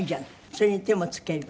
それに手もつける？